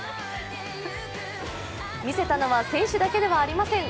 見せたのは選手だけではありません。